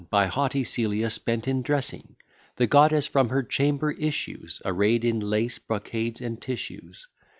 By haughty Celia spent in dressing; The goddess from her chamber issues, Array'd in lace, brocades, and tissues.